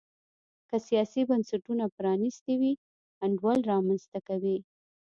که سیاسي بنسټونه پرانیستي وي انډول رامنځته کوي.